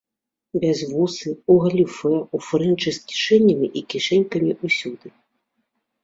Бязвусы, у галіфэ, у фрэнчы з кішэнямі і кішэнькамі ўсюды.